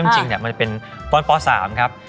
จริงเนี่ยมันเป็นตอนป๓ครับ